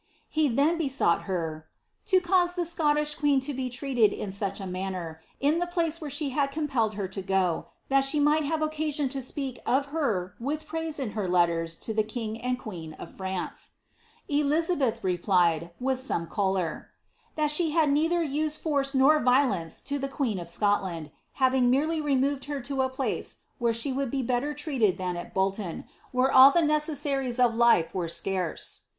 He then besought her ^ to cause the Sootiith queen to be Iresied in such a manner, in the place where she had coai pelled her to go, that she might have occasion lo speak of ber with praise in her letters to the king and queen of France."* 'DifpSiibe^ d< I* M'.tie Fenelon, vol. l. 'lUi, p. 1S£. BLIIABBTH. .SUl ieih repliedy with some choler, '' that she had neither used force ence to the queen of Scotland, having merely removed her to a bere she would be better treated than at Bolton^ where all the ies of life were scarce."